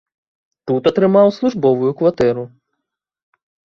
Тут атрымаў службовую кватэру.